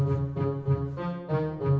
enggak curah dulu gue